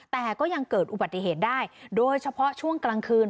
แต่ก็ยังเกิดอุบัติเหตุได้โดยเฉพาะช่วงกลางคืน